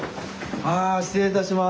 あ失礼いたします。